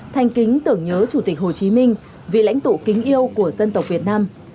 thanh kính tưởng nhớ chủ tịch hồ chí minh vị lãnh tụ kính yêu của dân tộc việt nam